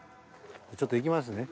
ちょっと行きますね。